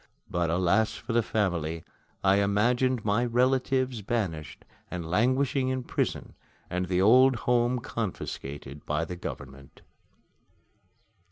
But alas for the family! I imagined my relatives banished and languishing in prison, and the old home confiscated by the government!